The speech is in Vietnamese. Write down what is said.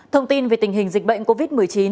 thông tin về tình hình dịch bệnh covid một mươi chín